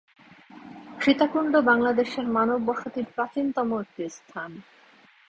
সীতাকুন্ড বাংলাদেশে মানব বসতির প্রাচীনতম একটি স্থান।